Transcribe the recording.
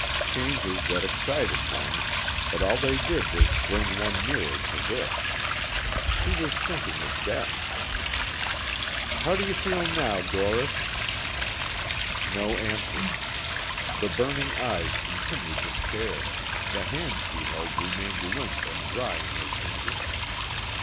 Changes that excited one, but all they did was bring one nearer to this. She was thinking of death. "How do you feel now, Doris?" No answer. The burning eyes continued to stare, the hand she held remained limp and dry in her fingers.